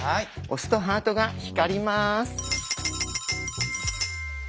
押すとハートが光ります。